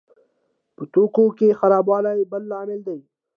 په توکو کې خرابوالی بل لامل دی.